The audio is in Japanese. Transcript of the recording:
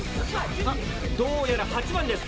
どうやら８番です。